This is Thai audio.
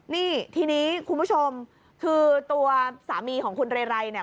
นี่ทีนี้คุณผู้ชมคือตัวสามีของคุณเรไรเนี่ย